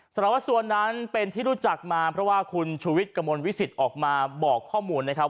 สารวัสสัวนั้นเป็นที่รู้จักมาเพราะว่าคุณชูวิทย์กระมวลวิสิตออกมาบอกข้อมูลนะครับ